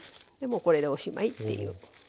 これでおしまいっていう。